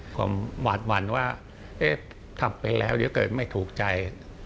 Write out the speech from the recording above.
ความหวาดหวั่นว่าเอ๊ะทำไปแล้วเดี๋ยวเกิดไม่ถูกใจ